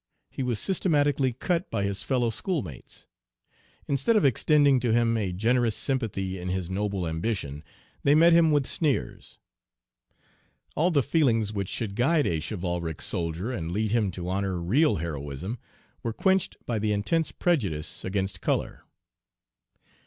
He was systematically cut by his fellow schoolmates. Instead of extending to him a generous sympathy in his noble ambition, they met him with sneers. All the feelings which should guide a chivalric soldier and lead him to honor real heroism, were quenched by the intense prejudice against color.